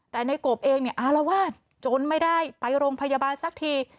แต่ในกบเองเนี่ยอารวาสจนไม่ได้ไปโรงพยาบาลสักที